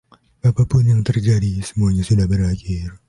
Apapun yang terjadi, semuanya sudah berakhir.